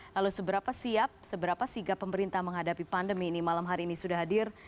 lalu seberapa siap seberapa sigap pemerintah menghadapi pandemi ini malam hari ini sudah hadir